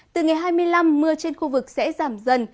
từ ngày hai mươi năm mưa trên khu vực sẽ giảm dần